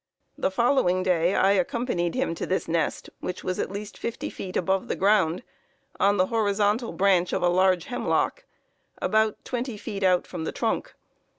The following day I accompanied him to this nest, which was at least 50 feet above the ground, on the horizontal branch of a large hemlock, about 20 feet out from the trunk.